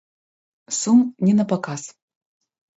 Сум не на паказ.